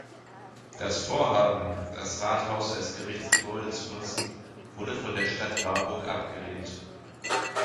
Das Vorhaben, das Rathaus als Gerichtsgebäude zu nutzen, wurde von der Stadt Warburg abgelehnt.